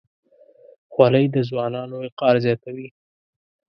خولۍ د ځوانانو وقار زیاتوي.